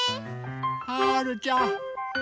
はるちゃん